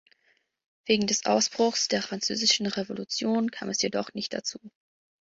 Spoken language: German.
Wegen des Ausbruchs der Französischen Revolution kam es jedoch nicht dazu.